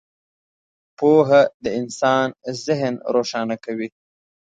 • پوهه د انسان ذهن روښانه کوي.